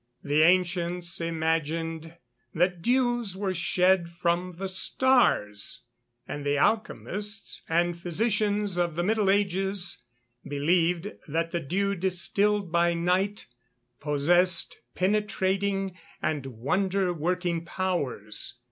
The ancients imagined that dews were shed from the stars; and the alchemists and physicians of the middle ages believed that the dew distilled by night possessed penetrating and wonder working powers.